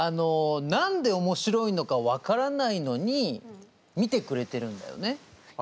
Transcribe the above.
何でおもしろいのか分からないのに見てくれてるんだよね。